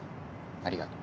ありがとう。